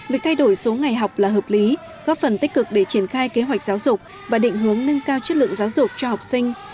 việc thay đổi số ngày học là hợp lý góp phần tích cực để triển khai kế hoạch giáo dục và định hướng nâng cao chất lượng giáo dục cho học sinh